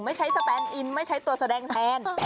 ใช้สแตนอินไม่ใช้ตัวแสดงแทน